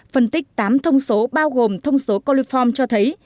phân tích tám thông số bao gồm thông số coliform cho thấy